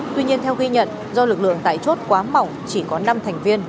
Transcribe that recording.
tuy nhiên theo ghi nhận do lực lượng tại chốt quá mỏng chỉ có năm thành viên